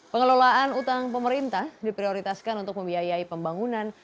pengelolaan utang pemerintah diprioritaskan untuk membiayai pembangunan